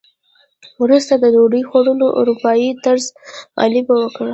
وروسته د ډوډۍ خوړلو اروپايي طرز غلبه وکړه.